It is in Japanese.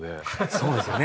そうですよね。